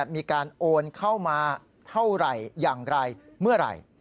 มีการโอนเข้ามาเท่าไหร่อย่างไรเมื่อไหร่